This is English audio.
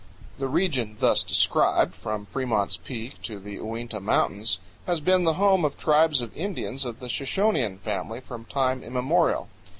The region thus described, from Fremont's Peak to the Uinta Mountains, has been the home of tribes of Indians of the Shoshonean family from time immemorial.